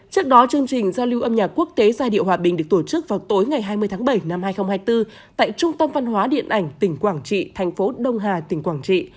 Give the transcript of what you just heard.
trước đó chương trình giao lưu âm nhạc quốc tế giai điệu hòa bình được tổ chức vào tối ngày hai mươi tháng bảy năm hai nghìn hai mươi bốn tại trung tâm văn hóa điện ảnh tỉnh quảng trị thành phố đông hà tỉnh quảng trị